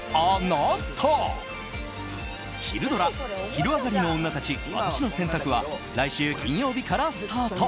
「昼上がりのオンナたちワタシの選択」は来週金曜日からスタート。